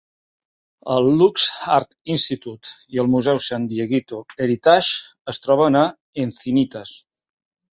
El Lux Art Institute i el museu San Dieguito Heritage es troben a Encinitas.